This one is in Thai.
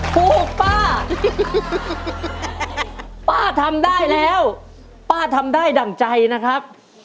ปลูกป้าป้าทำได้แล้วป้าทำได้ดั่งใจนะครับ